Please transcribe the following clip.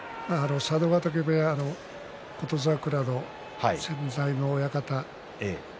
佐渡ヶ嶽部屋の琴櫻の先代の親方